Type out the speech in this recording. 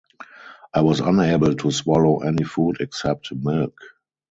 I was unable to swallow any food except milk.